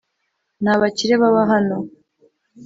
Nta bakire baba hano